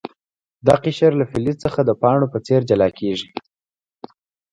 دا قشر له فلز څخه د پاڼو په څیر جلا کیږي.